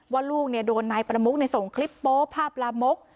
ว่าลูกเนี่ยโดนนายประมุกส่งคลิปโป้ภาพประมุก